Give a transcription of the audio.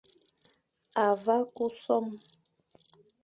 A vagha ku som,